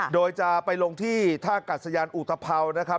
โดยจะไปลงที่ท่ากัดสยานอุตภัวนะครับ